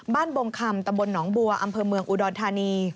บงคำตำบลหนองบัวอำเภอเมืองอุดรธานี